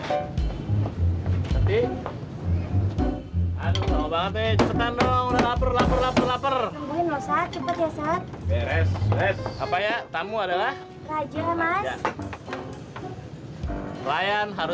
ngelap ngelap meja kayak gini